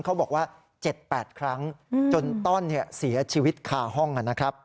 เขาบอกว่า๗๘ครั้งจนต้อนเสียชีวิตคาห้องนะครับ